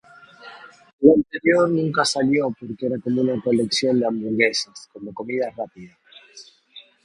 El anterior nunca salió porque era como una colección de hamburguesas, como comida rápida.